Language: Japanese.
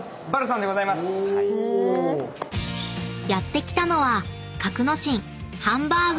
［やって来たのは］